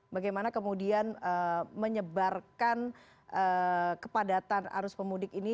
bagaimana kemudian menyebarkan kepadatan arus pemudik ini